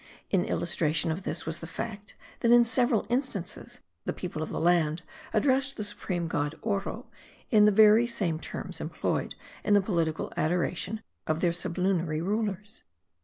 In illustration of this, was the fact, that in several instances the people of the land addressed the supreme god Oro, in the very same terms employed in the political adora tion of their sublunary rulers.